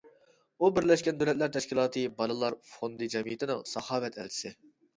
ئۇ بىرلەشكەن دۆلەتلەر تەشكىلاتى بالىلار فوندى جەمئىيىتىنىڭ ساخاۋەت ئەلچىسى.